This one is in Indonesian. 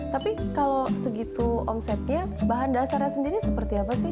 tapi kalau segitu omsetnya bahan dasarnya sendiri seperti apa sih